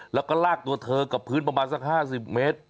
แล้วก็ลากตัวเธอกับพื้นประมาณสัก๕๐เมตร